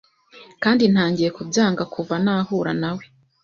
Kandi ntangiye kubyanga kuva nahura nawe